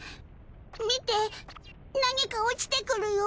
見て何か落ちてくるよ。